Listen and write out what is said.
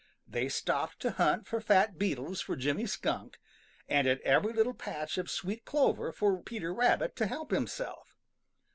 They stopped to hunt for fat beetles for Jimmy Skunk, and at every little patch of sweet clover for Peter Rabbit to help himself.